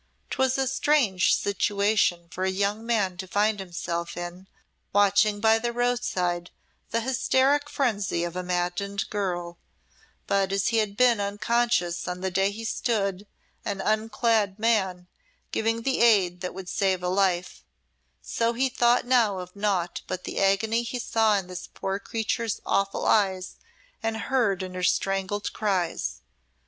'Twas a strange situation for a young man to find himself in, watching by the roadside the hysteric frenzy of a maddened girl; but as he had been unconscious on the day he stood, an unclad man, giving the aid that would save a life, so he thought now of naught but the agony he saw in this poor creature's awful eyes and heard in her strangled cries.